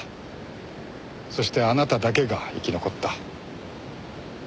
そしてあなただけが生き残った。